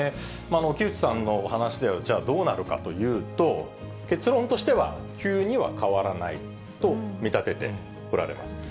木内さんのお話しでは、じゃあ、どうなるかというと結論としては急には変わらないと見立てておられます。